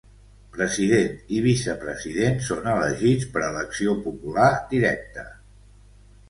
President i Vicepresident són elegits per elecció popular directa.